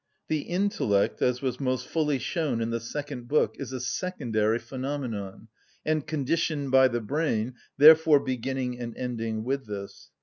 The intellect, as was most fully shown in the second book, is a secondary phenomenon, and conditioned by the brain, therefore beginning and ending with this.